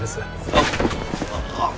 あっああっ！